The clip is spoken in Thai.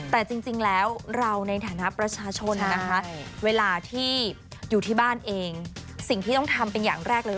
แต่จริงแล้วเราในฐานะประชาชนนะคะเวลาที่อยู่ที่บ้านเองสิ่งที่ต้องทำเป็นอย่างแรกเลย